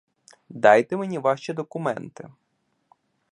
Дайте мені ваші документи.